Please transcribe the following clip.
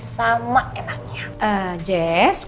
sama enaknya jess